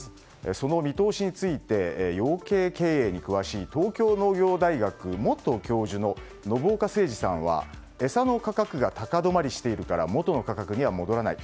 その見通しについて養鶏経営に詳しい東京農業大学元教授の信岡誠治さんは餌の価格が高止まりしているから元の価格には戻らない。